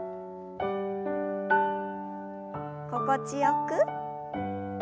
心地よく。